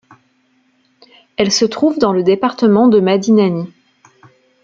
Elle se trouve dans le département de Madinani.